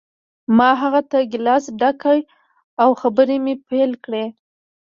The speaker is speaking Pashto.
ما هغه ته ګیلاس ډک کړ او خبرې مې پیل کړې